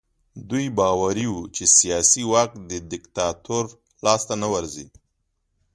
دوی باوري وو چې سیاسي واک د دیکتاتور لاس ته نه ورځي.